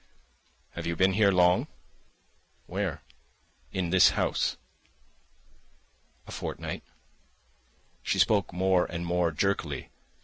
"Have you been here long?" "Where?" "In this house?" "A fortnight." She spoke more and more jerkily.